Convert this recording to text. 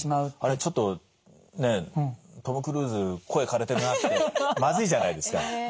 ちょっとねえトム・クルーズ声かれてるなってまずいじゃないですか。